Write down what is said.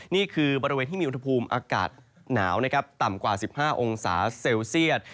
นี่คือบริเวณที่มีอุณหภูมิอากาศหนาวนะครับต่ำกว่า๑๕องศาเซลเซียต